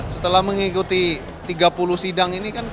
setelah mengikuti tiga puluh sidang ini kan